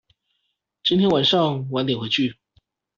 今天晚上晚點回去